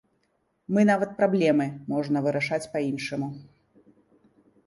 Мы нават праблемы можна вырашаць па-іншаму.